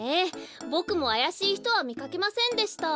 ボクもあやしいひとはみかけませんでした。